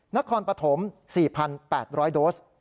นครปฐม๔๘๐๐โดส